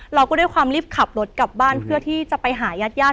เราก็ด้วยความรีบขับรถกลับบ้านเพื่อที่จะไปหายาด